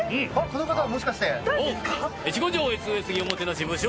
この方はもしかして。